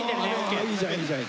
いいじゃんいいじゃん。